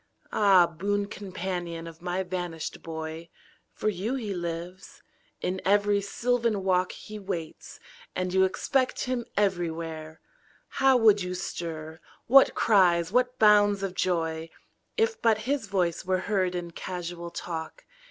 Ah, boon companion of my vanished boy. For you he lives; in every sylvan walk He waits; and you expect him everywhere. How would you stir, what cries, what bounds of joy. If but his voice were heard in casual talk.